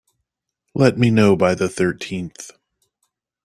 Let me know by the thirteenth.